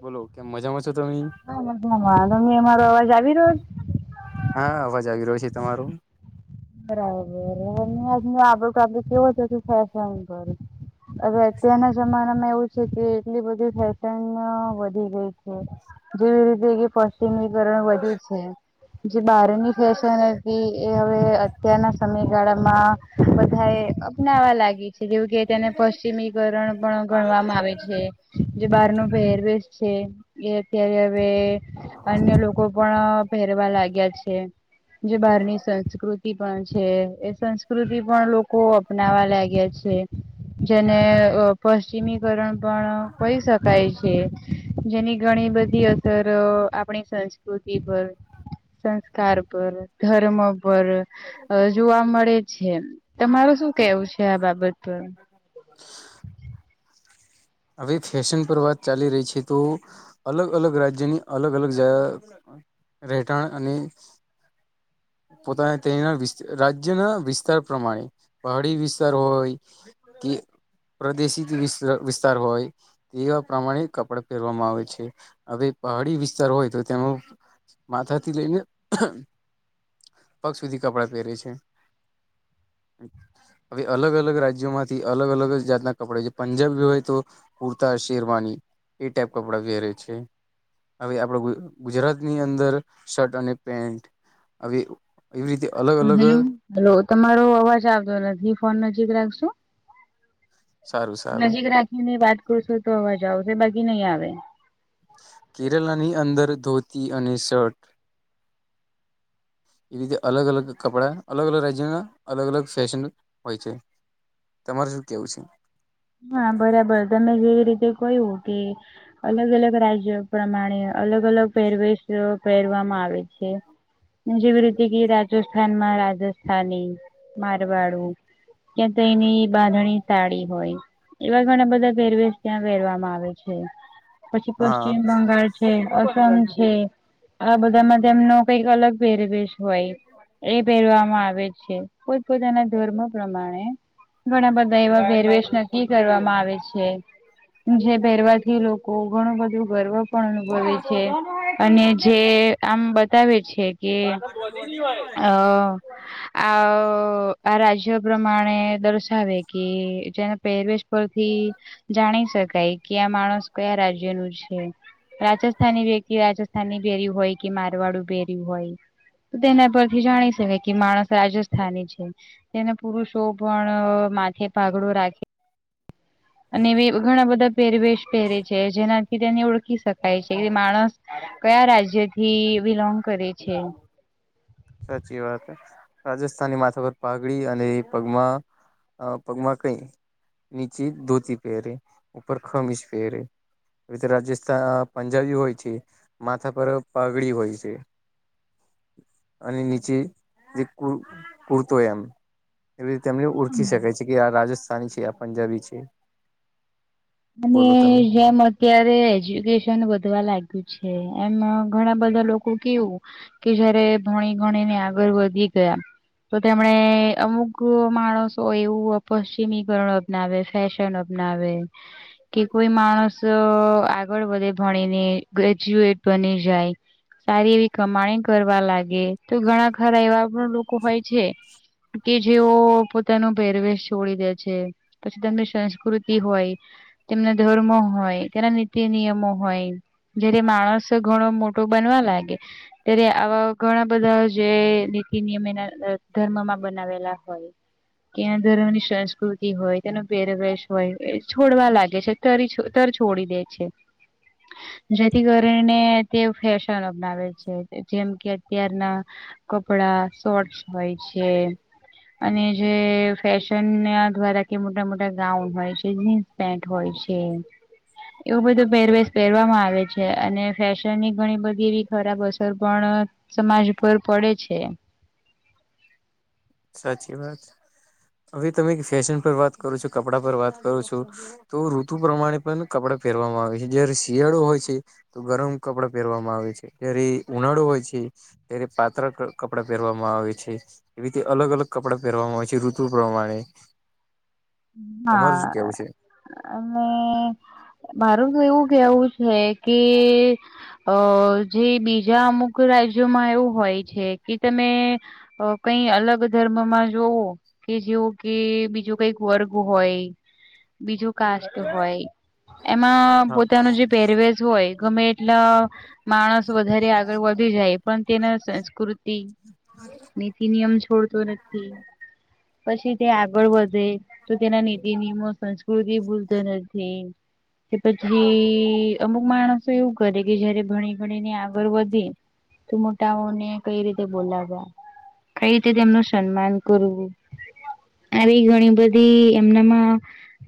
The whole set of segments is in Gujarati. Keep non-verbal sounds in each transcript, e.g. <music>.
બોલો કેં મજામા છો તમે ઈ હ તમે અમારો અવાજ આવી રહ્યોજ હા અવાજ આવી રહ્યો છે તમારું બરાબર આજ <unintelligible> કેવો હતો કે ફ <unintelligible> હવે અત્યારના જમાનામાં એવું. કે એટલી બધી ફેશનો વધી ગઈ છે. જેવી રીતે પચ્છિમીકર્ણ વદયું છે જે બહારની ફેશન હતી એ હવે અત્યારના સમયગાળામાં બધા અપનાવા લાગી છે જેવું કે તેને પશ્ચિમીકરણ પણ ગણવામાં આવે છે જે બહાર નો પહેરવેશ છે એ અત્યારે હવે અન્ય લોકો પણ પહેરવા લાગ્યા છે જે બહારની સંસ્કૃતિ પણ છે એ સંસ્કૃતિ પણ લોકો અપનાવા લાગ્યા છે જેને પશ્ચિમીકરણ પણ કહી શકાય છે જેની ઘણી બધી અસર આપણી સંસ્કૃતિ પર સંસ્કાર પર ધર્મ પર અ જોવા મળે છે તમાર શું કેવું છે આ બાબત પર હવે ફેશન પર વાત ચાલી રહી છે તો અલગ અલગ રાજ્યની અલગ અલગ જ. રેટાણ અને. પોતાના તે રાજ્યના વિસ્તાર પ્રમાણે. પહાડી વિસ્તાર હોય કે પ્રદેશિત વિ વિસ્તાર હોય. તેવા પ્રમાણે કપડા પહેરવામાં આવે છે હવે પહાડી વિસ્તાર હોય તો માથાથી લઈને. પગ સુધી કપડાં પહેરે છે. હવે અલગ અલગ રાજ્યોમાંથી અલગ અલગ જાતના કપડા જે પંજાબ હોય. તો કુર્તા શેરવાની એ ટાઈપ કપડા પહેરે છે. હવે આપડ ગુજરાતની અંદર શર્ટ અને પેન્ટ હવે. એવી રીતે અલગ હા અલગ. હેલો. હલો તમારો અવાજ આવતો નથી ફોન નજીક રાખશો સારું સારું નજીક રાખીની વાત કરશું તો અવાજ આવશે બાકી નહી આવે. કેરલા ની અંદર ધોતી અને શર્ટ. . ઇજે અલગ અલગ કપડાં અલગ અલગ રાજ્યના અલગ અલગ ફેશન હોય છે. તમારે શું કેવું છે. હા બરાબર તમે જેવી રીતે કહ્યું કે. અલગ અલગ રાજ્યો પ્રમાણે અલગ અલગ પહેરવેશ પહેરવામાં આવે છે. જેવી રીતે કે રાજસ્થાન માં રાજસ્થાની મારવાડું. કા તો એની બાંધણી સાડી હોય એવા ઘણા બધા પહેરવેેશ ત્યાં પહેરવામાં આવે છે. પછી હા પશ્ચિમ બંગાળ છે, અસમ છે આ બધામાં તેમનો કઈક અલગ પહેરવેશ હોય એ પહેરવામાં આવે છે. પોતપોતાના ધર્મો પ્રમાણે ઘણા બધા એવા પેરવેશના. <unintelligible> કરવામાં આવે છે જે પહેરવાથી લોકો ઘણું બધું ગર્વ. પણ અનુભવે છે અને જે આમ બતાવે છે કે. અ અહ આ રાજ્ય પ્રમાણે દર્શાવે કે જેના પહેરવેશ પરથી જાણી શકાય કે આ માણસ કયા રાજ્ય નું છે. રાજસ્થાની વ્યક્તિ રાજસ્થાની પહેરી હોય કે મારવાડું પહેર યું હોય, તો તેના પરથી જાણી શકાય કે માણસ રાજસ્ થાની છે, તેને પુરુષો પણ માથે પાઘડો રાખી <inaudible> અને એવે ઘણા બધા પહેરવેશ પહેરે છે, જેનાથી તેને ઓળખી શકાય છે કે એ માણસ કયા રાજ્ય થી બિલોંગ કરે છે. સાચી વાત. રાજસ્થાની માથા પર પાઘડી અને એ પગમાં પગમાં કંઈ નીચી ધોતી પહેરે, ઉપર ખમીશ પહેરે. <unintelligible> પંજાબી હોય છે માથા પર પાઘડી હોય છે. અને નીચે જે કુર કુર્તો હોય આમ એવી રીતે એમને ઓળખી શકાય છે, કે આ રાજસ્થાની છે, આ પંજાબી છે. અને બોલો તમે જેમ અત્યારે એજ્યુકેશન વધવા લાગ્યું છે, એમાં ઘણા બધા લોકો કેવું, કે જયારે ભણી ગણી ને આગળ વધી ગયા તો તેમણે અમુક માણસો એવું અપશ્ચિમીકરણ અપનાવે, ફેશન અપનાવે. કે કોઈ માણસ આગળ વધે ભણીને, ગ્રેજ્યુએટ બની જાય સારી એવી કમાણી કરવા લાગે, તો ઘણા ખરા એવા પણ લોકો હોય છે કે જેઓ પોતાનો પહેરવેશ છોડી દે છે, પછી તેની સંસ્કૃતિ હોય તેમના ધર્મો હોય, તેના નીતિ નિયમો હોય જ્યારે માણસ ઘણો મોટો બનવા લાગે ત્યારે આવા ઘણા બધા જે નીતિ નિયમ એના અહ ધર્મમાં બનાવેલા હોય કે <unintelligible> ની સંસ્કૃતિ હોય, તેનો પહેરવેશ હોય <unintelligible> લાગે છે, તરી છ તર છોડી દે છે. જેથી કરીને તે ફેશન અપનાવે છે, જેમ કે અત્યારના કપડાં, શોટ્સ હોય છે અને જે ફેશન ના દ્વારા કે મોટા-મોટા ગાઉન હોય છે, જીન્સ પેન્ટ હોય છે એવું બધું પહેરવેેશ પહેરવામાં આવે છે, અને ફેશનની ઘણી બધી એવી ખરાબ અસર પણ અહ સમાજ પર પડે છે એ. સાચી વાત. હવે તમે ફેશન પર વાત કરો છો, કપડા પર વાત કરો છો તો ઋતુ પ્રમાણે પણ કપડા પહેરવામાં આવે છે, જયારે શિયાળો હોય છે તો ગરમ કપડા પહેરવામાં આવે છે. જ્યારે ઉનાળો હોય છે ત્યારે પાતળા ક કપડા પહેરવામાં આવે છે. એવી જ રીતે અલગ-અલગ કપડાં પહેરવામાં આવે છે ઋતુ પ્રમાણે. તમારું શું હા. કેવું છે અહ અને મારું તો એવું કેવું છે કે અહ જે બીજા અમુક રાજ્યોમાં એવું હોય છે, કે તમે અહ કંઈ અલગ ધર્મમાં જોવો, કે જેવું કે બીજું કઈક વર્ગ હોય, બીજું કાસ્ટ હોય, એમાં હા પોતાનું જે પહેરવેેશ <unintelligible> હોય ગમે એટલા માણસ વધારે આગળ વધી જાય પણ તેના સંસ્કૃતિ નીતિ નિયમ છોડતો નથી પછી તે આગળ વધે તો તેના નીતિ, નિયમો, સંસ્કૃતિ ભૂલતો નથી. કે પછી અમુક માણસો એવું કરે કે જયારે ભણી-ભણી ને આગળ વધે, તો મોટાઓને કંઈ રીતે બોલાવ્યા. કંઈ રીતે તેમનું સન્માન કરવું આવી ઘણી બધી એમનામાં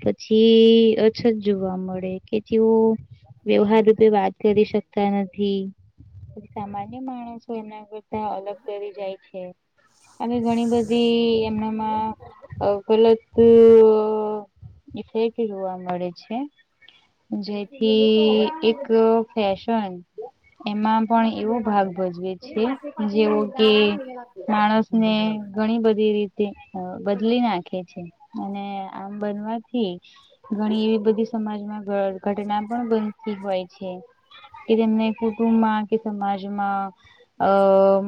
પછી અછત જોવા મળ મળે કે તેઓ વ્યવહાર રૂપે વાત કરી શકતા નથી સામાન્ય માણસો એના કરતા અલગ કરી જાય છે આવી ઘણી બધી એમ ગલત ઇફેક્ટ જોવા મળે છે જેથી એક ફેશન એમાં પણ એવો ભાગ ભજવે છે જેવો કે માણસ ને ઘણી બધી રીતે બદલી નાખ છે અને આમ બનવાથી ઘણી એવી બધી સમાજમાં ઘ ઘટના પણ બનતી હોય છે કે તેમને કુટુંબમાં કે સમાજમાં અ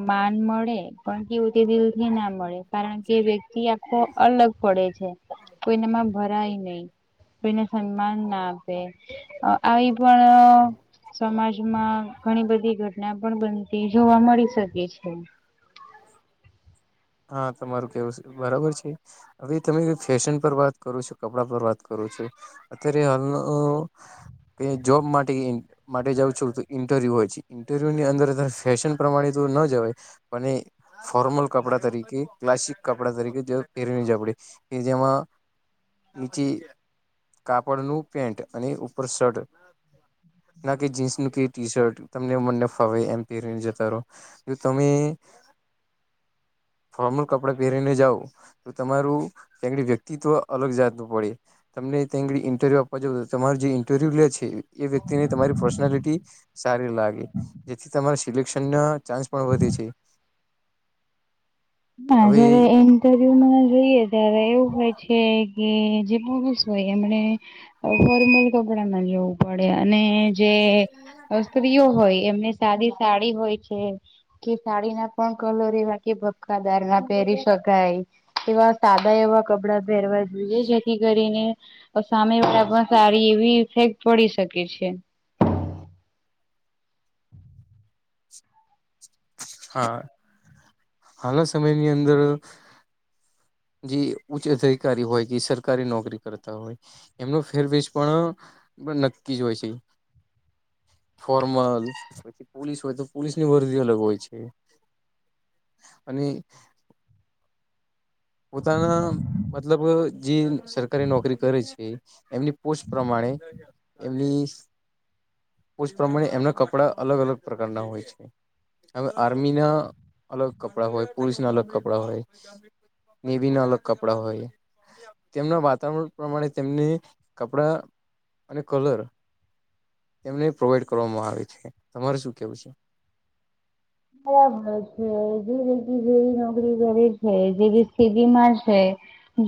માન મળે પણ કેવું તે દિલથી ના મળે કારણ કે વ્યક્તિ આખો અલગ પડે છે કોઈનેમાં ભરાય નહી કોઈને સન્માન ના આ એ પણણ સમાજમાં ઘણી બધી ઘટના પણ બનતી જોવા મળી શકે છે હા તમારું કેવું બરાબર છે હવે તમે ફેશન પર વાત કરો છો કપડા પર વાત કરો છો અત્યારે હાલ જોબ માટે માટે જાઉં છું તો ઇન્ટરવ્યુ હોય છે ઇન્ટરવ્યુ ની અંદર ફેશન પ્રમાણે તો ન જવાય પણ ફોર્મલ કપડા તરીકે ક્લાસિક કપડા તરીકે પહેરને છે આપડે જેમાં નીચે કાપડ નું પેન્ટ અને ઉપર શર્ટ ના કે જીન્સ નું કે ટી શર્ટ તમને મને ફવે એમ પહેરને જતા રહો જે તમે ફોર્મલ કપડાં પહેરીને જાાવ તો તમારુંડી વ્યક્તિત્વ અલગ જાતનું પડે તમને તં આળી ઇન્ટરવ્યુ આપવા જવ તમા જે ઇન્ટરવ્યુ લે છે એ વ્યક્તિને તમારી પર્સનાલિટી સારી લાગે જેથી તમારા સિલેક્શન ના ચાન્સ પણ વધે છે ના હવે જયારે ઇન્ટરવ્યુમાં જોઈએ ત્યારે એવું હોય છે કે જે બસ હોય એમણે ફોર્મલ કપડા ના લેવું પડે અને જે વસ્તવીઓ હોય એમને સાદી સાડી હોય છે કે સાડી ના પણ કલર એવા કે કદાર ના પહેરી શકાય એવા સાદા એવા કપડાં પહેરવા જોઈએ જેથી કરીને તો સામે વાા પણ સારી એવી ઇફેક્ટ પડી શકે છે હા હાાલ સમયની અંદર જે ઉચ્ચ અધિકારી હોય કે સરકારી નોકરી કરતા હોય એમનો ફેરબજ પણ બ નક્કી જ હોય છે ફોર્મલ પછી પોલીસ હોય તો પોલીસ ની ભરતી અલગ હોય છે અને પોતાના મતલબ જે સરકારી નોકરી કરે છે એમની પોસ્ટ પ્રમાણે એમની પ્રમાણે એમના કપડા અલગ અલગ પ્રકારના હોય છે હવે આર્મી ના અલગ કપડા હોય પોલીસ ના અલગ કપડાં હોય ને બી ના અલગ કપડાં હોય તેમના વાતાવરણ પ્રમાણે તેમને કપડા અને કલર તેમને પ્રોવાઈડ કરવામાં આવે છે તમારે શું કેવું છે બરાબર છે જે રી જેવી નોકરી કરે છે જેવી સ્ેબી માં છે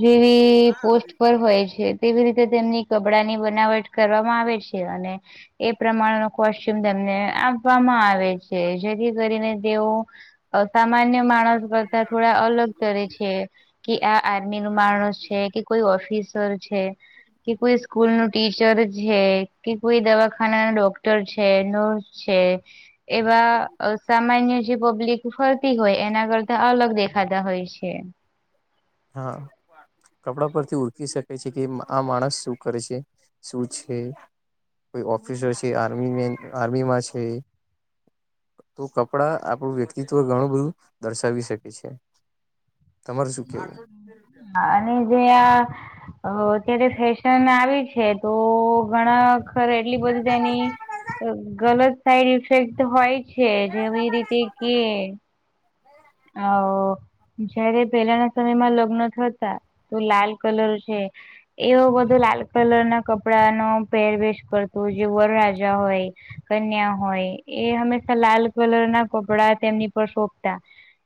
જેવી પોસ્ટ પર હોય છે તેવી રીતે તેમની કપડાંની બનાવટ કરવામાં આવે છે, અને એ પ્રમાણનો કોસ્ટચ્યુમ તેમને આપવામાં આવે છે, જેથી કરીને તેઓ, સામાન્ય માણસ કરતા થોડા અલગ તરે છે કે આ આર્મીનું માણસ છે કે કોઈ ઓફિસર છે કે કોઈ સ્કૂલનું ટીચ ચર છે કે કોઈ દવાખાનાના ડોક્ટર છે, નર્સ છે એવા અ સામાન્ય જે પબ્લિક ફરતી હોય એના કરતા અલગ દેખાતા હોય છે. હા કપડા પરથી ઉરખી સકે છે કે આ માણસ સુ કરે છે? સુ છે? કોઈ ઓફિશર છે, આર્મી મેન, આર્મીમાં છે, તો કપડાં આપણું વ્યક્તિત્વ ઘણું બધું દર્શાવી શકે છે. તમારુ સુ કેવું? હા, અને જે આ અ, અત્યારે ફેશન આવી છે, તો, ઘણા ખર એટલી બધી તેની ગલત સાઈડ ઇફેક્ટ હોય છે જેવી રીતે કે <unintelligible> અ જયારે પેલાના સમયમાં લગ્ન થતા, તો લાલ કલર છે એવો બધો લાલ કલરના કપડાનો પહેરવેશ કરતો, જે વરરાજા હોય, કન્યા હોય, એ હંમેસા લાલ કલરના કપડા તેમની પર સોભતા.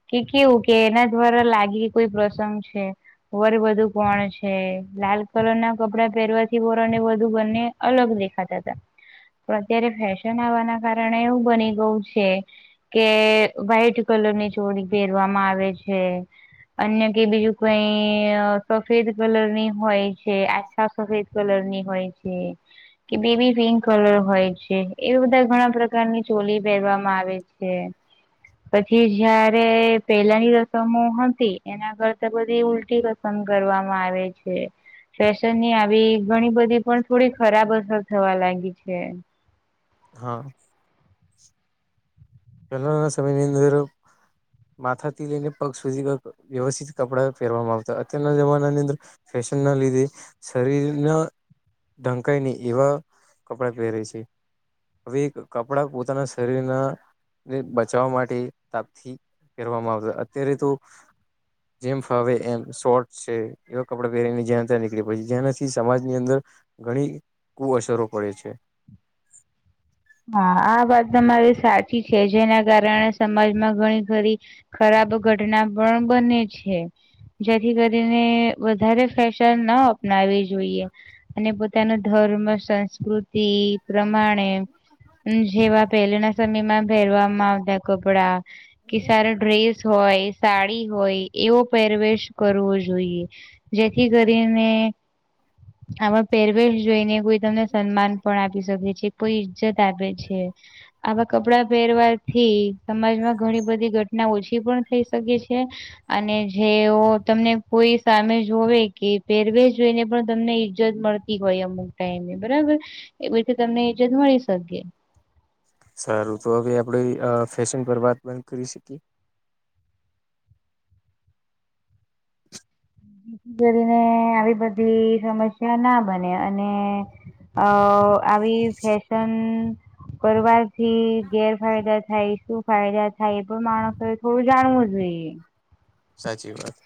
કે કેવું કે એના દ્વારા લાગે કોઈ પ્રસંગ છે વર વધુ કોણ છે? લાલ કલરના કપડા પહેરવાથી વર અને વધુ બંને અલગ દેખાતા'તા, પણ અત્યારે ફેશન આવવાના કારણે એવું બની ગયું છે કે વ્હાઈટ કલરની ચોડી પહેરવામાં આવે છે અન્ય કે બીજું કઈ, સફેદ કલરની હોય છે, આછા સફેદ કલરની હોય છે. કે બેબી પિંક કલર હોય છે, એવી બધા ઘણા પ્રકારની ચોલી પહેરવામાં આવે છે. પછી જ્યાર રે પેલાની રસમો હતી, એના કરતા બધી ઉલટી રસમ કરવામાં આવે છે. એ, ફેશનની આવી ઘણી બધી પણ થોડી ખરાબ અસર થવા લાગી છે. હા પેલાના સમયની અંદર માથાથી લઈને પગ સુધીના વ્યવસ્થિત કપડા પહેરવામાં આવતા, અત્યારના જમાનાની અંદર ફેશન લીધે, શરીરના ઢંકાઈ નહિં, એવા કપડાં પહેરે છે. હવે એક કપડા પોતાના શરીરના ને બચાવવા માટે તાપથી, પહેરવામાં આવતા હતા, અત્યારે તો <inaudible> જેમ ફાવે એમ, સૉર્ટસ છે, એવા કપડા પહેરી ને જ્યાં ત્યા નીકળી પડે છે, જેનાથી સમાજની અંદર ઘણી કુઅશરો પડે છે. હા, આ વાત તમારી સાચી છે, જેના કારણે સમાજમાં ઘણી ખરી ખરાબ ઘટના પણ બને છે, જેથી કરીને વધારે ફેશ ન ન અપનાવવી જોઈએ. અને પોતાના ધર્મ, સંસ્કૃતિ, પ્રમાણે જેવા પહેલેના સમયમાં પહેરવામાં આવતા કપડા, કે સારો ડ્રેસ હોય, સાડી હોય, એવો પહેરવેશ કરવો જોઈએ. જેથી કરીને આમાં પહેરવેેશ જોઈને કોઈ તમને સન્માન પણ આપી શકે છે કોઈ ઈજ્જત આપે છે. આવા કપડાં પહેરવાથી, સમાજમાં ઘણી બધી ઘટના ઓછી પણ થઈ સકે છે, અને જેઓ, તમને કોઈ સામે જોવે, કે પહેરવેસ જોઈને પણ તમને ઈજ્જત મળતી હોય, અમુક ટાઈમે, બરાબર? એવી રીતે તમને ઈજત મળી સકે. સારું, તો હવે આપણે અ ફેસન પર વાત બંધ કરી સકીએ. જેથી કરીને આવી બધી સમસ્યા ના બને અને અ આવી ફેશન કરવાથી ગેરફાયદા થાય શું ફાયદા થાય એ પણ માણસો થોડું જાણવું જોઈએ. સાચી વાત.